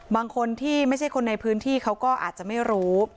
บางคนที่ไม่ใช่คนในพื้นที่เขาก็อาจจะไม่รู้